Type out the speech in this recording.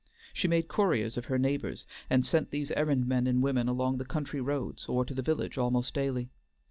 She made couriers of her neighbors, and sent these errand men and women along the country roads or to the village almost daily.